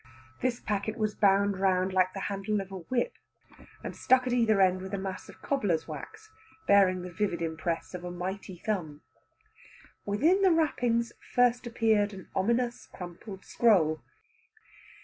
This packet was bound round like the handle of a whip. and stuck at either end with a mass of cobbler's wax. bearing the vivid impress of a mighty thumb. Within the wrappings first appeared an ominous crumpled scroll.